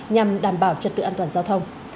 nhằm đảm bảo trật tự an toàn giao thông